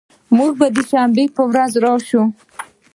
مونږ به د شنبې په ورځ راشو